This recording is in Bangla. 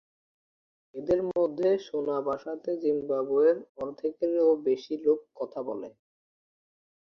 এদের মধ্যে শোনা ভাষাতে জিম্বাবুয়ের অর্ধেকেরও বেশি লোক কথা বলে।